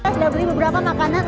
sudah beli beberapa makanan